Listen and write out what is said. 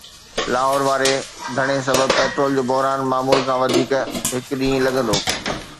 لاهور واري ڌرڻي سبب پيٽرول جو بحران معمول کان وڌيڪ هڪ ڏينهن لڳندو